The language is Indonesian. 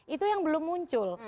itu yang belum muncul